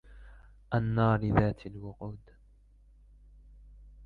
النّارِ ذاتِ الوَقودِ